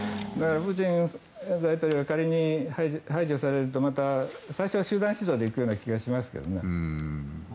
プーチン大統領が仮に排除されるとまた最初は集団指導で行くような気がしますね。